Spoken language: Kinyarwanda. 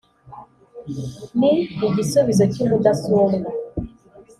ni igisingizo cy’umudasumbwa.